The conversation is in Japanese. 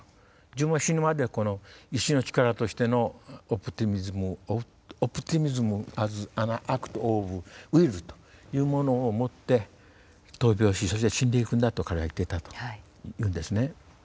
自分が死ぬまではこの意志の力としてのオプティミズム。というものを持って闘病しそして死んでいくんだと彼は言ってたというんですね。